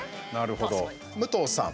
武藤さん。